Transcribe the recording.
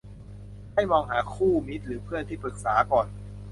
ให้มองหาคู่มิตรหรือเพื่อนที่ปรึกษาก่อน